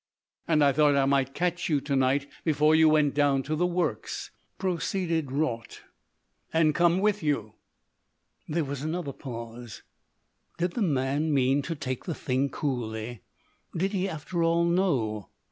"And I thought I might catch you to night before you went down to the works," proceeded Raut, "and come with you." There was another pause. Did the man mean to take the thing coolly? Did he after all know?